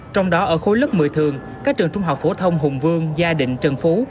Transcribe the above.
trong đó ở khối lớp một mươi thường các trường trung học phổ thông hùng vương gia định trần phú